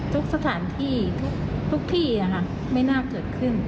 ทุกสถานที่ทุกที่ไม่น่าเกิดขึ้น